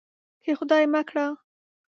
که خدای مه کړه.